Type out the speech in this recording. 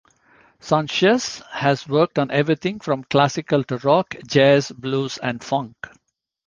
Sancious has worked on everything from classical to rock, jazz, blues, and funk.